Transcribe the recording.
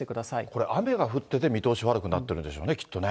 これ、雨が降ってて見通し悪くなってるんでしょうね、きっとね。